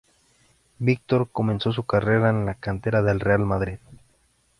Víctor comenzó su carrera en la cantera del Real Madrid.